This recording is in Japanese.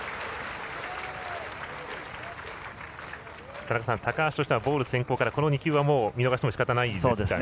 田中さん、高橋としてはボール先行からこの２球は見逃してもしかたないですかね。